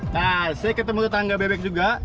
saya ketemu di tangga bebek juga